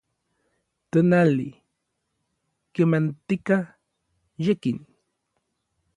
tonali, kemantika, yekin